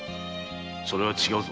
それは違うぞ。